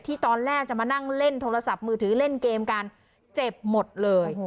ตอนแรกจะมานั่งเล่นโทรศัพท์มือถือเล่นเกมกันเจ็บหมดเลย